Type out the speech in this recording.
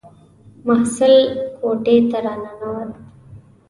محصل کوټې ته را ننووت.